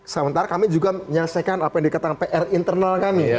sementara kami juga menyelesaikan apa yang dikatakan pr internal kami